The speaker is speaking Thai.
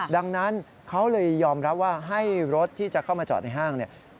ดังนั้นเขาเลยยอมรับว่าให้รถที่จะเข้ามาจอดในห้างเนี่ย